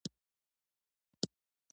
زر کاوه, بيړه کاوه کني ده نه ځم.